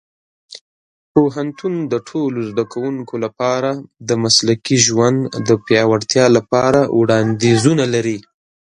پوهنتون د ټولو زده کوونکو لپاره د مسلکي ژوند د پیاوړتیا لپاره وړاندیزونه لري.